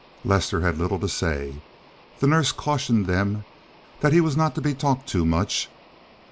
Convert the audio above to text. Lester had little to say. The nurse cautioned them that he was not to be talked to much.